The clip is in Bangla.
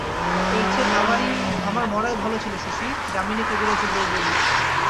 এর চেয়ে আমার মরাই ভালো ছিল শশী, যামিনী কবিরাজের বৌ বলে।